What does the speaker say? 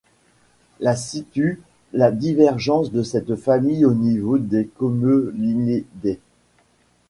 La situe la divergence de cette famille au niveau des Commelinidées.